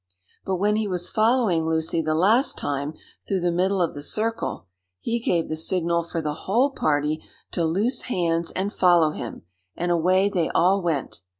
But when he was following Lucy the last time through the middle of the circle, he gave the signal for the whole party to loose hands and follow him, and away they all went.